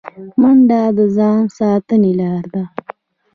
منډه د ځان ساتنې لاره ده